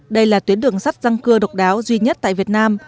đây là tuyến đường sắt răng cưa độc đáo duy nhất tại việt nam